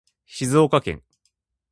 静岡県